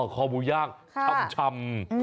คอหมูย่างชำ